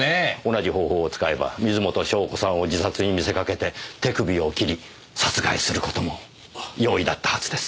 同じ方法を使えば水元湘子さんを自殺に見せかけて手首を切り殺害する事も容易だったはずです。